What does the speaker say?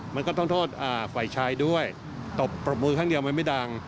มันก็ต้องโทษฝ่ายชายด้วยตบมือข้างเดียวมันไม่ดัง